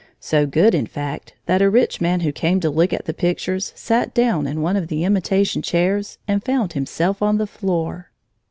So good, in fact, that a rich man who came to look at the pictures sat down in one of the imitation chairs and found himself on the floor.